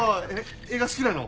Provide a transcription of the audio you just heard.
映画好きなの？